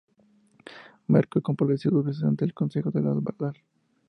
Melkor compareció dos veces ante el Concejo de los Valar.